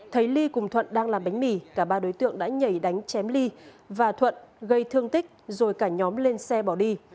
thấy ly cùng thuận đang làm bánh mì cả ba đối tượng đã nhảy đánh chém ly và thuận gây thương tích rồi cả nhóm lên xe bỏ đi